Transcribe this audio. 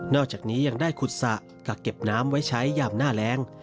อกจากนี้ยังได้ขุดสระกักเก็บน้ำไว้ใช้ยามหน้าแรง